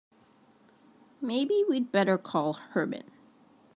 Maybe we'd better call Herman.